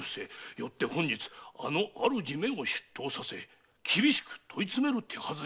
よって本日あの主めを出頭させ厳しく問い詰める手はずに。